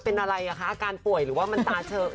เป็นอะไรอ่ะคะอาการป่วยหรือว่ามันตาเชิง